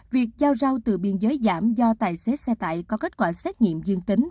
việc giao từ biên giới giảm do tài xế xe tải có kết quả xét nghiệm dương tính